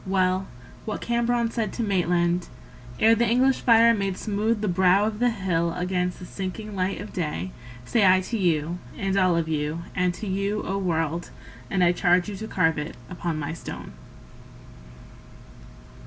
Well, what Cambronne said to Maitland Ere the English fire made smooth the brow of the hill Against the sinking light of day Say I to you, and all of you, And to you, O world. And I charge you to carve it Upon my stone.